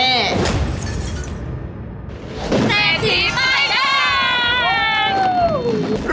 เศรษฐีป้ายแดง